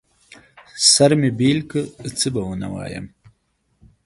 سر مې بېل که، څه به ونه وايم.